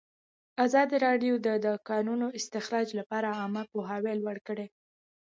ازادي راډیو د د کانونو استخراج لپاره عامه پوهاوي لوړ کړی.